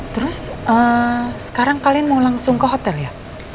terus sekarang kalian mau langsung ke hotel ya